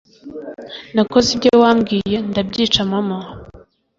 nakoze ibyo wambwiye ndabyica mama